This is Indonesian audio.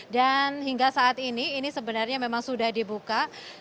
dan hingga saat ini ini sebenarnya memang sudah dibuka